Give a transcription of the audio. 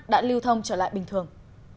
đã lưu thông trở lại bình thường